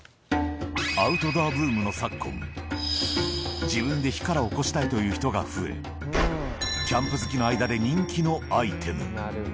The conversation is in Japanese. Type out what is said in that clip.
アウトドアブームの昨今、自分で火からおこしたいという人が増え、キャンプ好きの間で人気のアイテム。